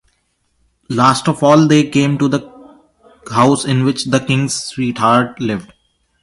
Last of all they came to the house in which the king's sweetheart lived.